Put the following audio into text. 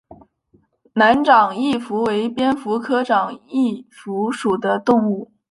南长翼蝠为蝙蝠科长翼蝠属的动物。